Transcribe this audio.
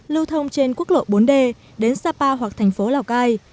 lưu thông trên quốc lộ bốn d đến sapa hoặc thành phố lào cai